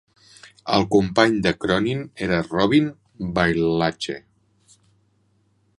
El company de Cronin era Robin Bailhache.